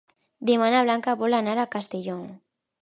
Demà na Blanca vol anar a Castellnou.